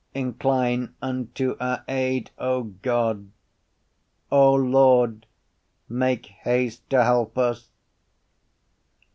Incline unto our aid, O God! O Lord, make haste to help us!